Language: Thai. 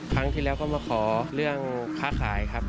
ครั้งที่แล้วก็มาขอเรื่องค้าขายครับ